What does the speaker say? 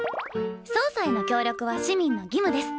捜査への協力は市民の義務です。